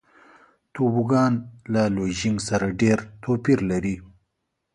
توبوګان له لوژینګ سره ډېر توپیر لري.